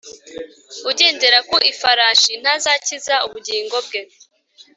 Ugendera ku ifarashi ntazakiza ubugingo bwe